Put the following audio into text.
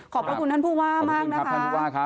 ขอบพระคุณท่านภูวามากนะคะ